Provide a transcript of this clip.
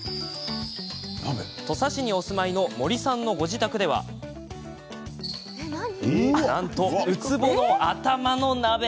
土佐市にお住まいの森さんのご自宅ではなんとウツボの頭の鍋。